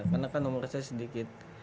karena kan nomor saya sedikit